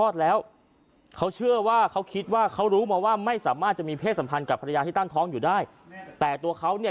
เนื่องจากว่ามียาเค้าเนี่ย